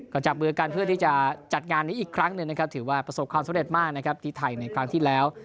ก็จับมือกันเพื่อที่จะจัดงานนี้อีกครั้งหนึ่งนะครับถือว่าประสบความสำเร็จมากนะครับที่ไทยในครั้งที่แล้ว